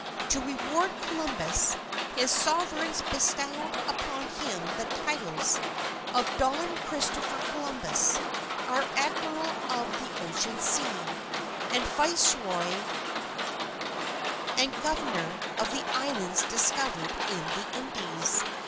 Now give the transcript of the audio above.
To reward Columbus, his Sovereigns bestowed upon him the titles of Don Christopher Columbus, Our Admiral of the Ocean Sea, and Viceroy and Governor of the Islands discovered in the Indies.